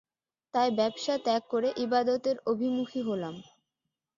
তাই ব্যবসা ত্যাগ করে ইবাদতের অভিমুখী হলাম।